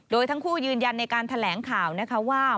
โดยทั้งคู่ยืนยันในการแถลงข่าวนะคะว่า